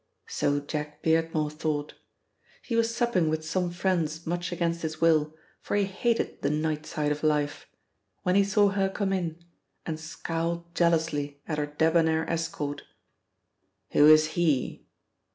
So jack Beardmore thought. He was supping with some friends much against his will, for he hated the night side of life, when he saw her come in, and scowled jealously at her debonair escort. "Who is he?"